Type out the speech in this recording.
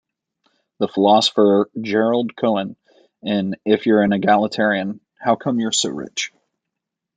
The philosopher Gerald Cohen, in If You're An Egalitarian, How Come You're So Rich?